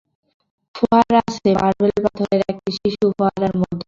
ফোয়ারা আছে, মার্বেল পাথরের একটি শিশু ফোয়ারার মধ্যমণি!